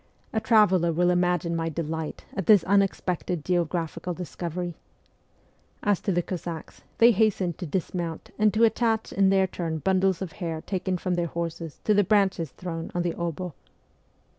A traveller will imagine my delight at this unexpected geo graphical discovery. As to the Cossacks, they hastened to dismount and to attach in their turn bundles of hair taken from their horses to the branches thrown on the obd.